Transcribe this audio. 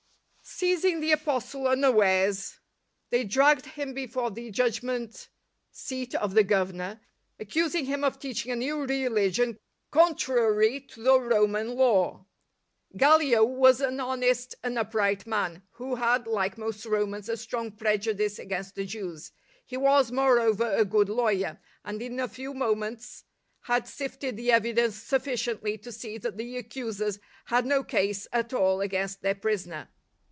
Seizing the Apostle unawares, they dragged him before the judgment seat of the Goveimor, accusing him of teaching a new religion contrary to the Roman Lawc Gallic was an honest and upright man, who had, like most Romans, a strong prejudice against the Jews. He was, moreover, a good lawyer, and in a few moments had sifted the evidence suf ficiently to see that the accusers had no case at all against their prisoner.